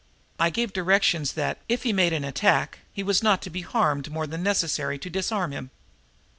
"I gave directions that, if he made an attack, he was not to be harmed more than necessary to disarm him."